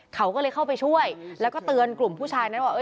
เขาก็เลยเข้าไปช่วยแล้วก็เตือนกลุ่มผู้ชายนั้นว่า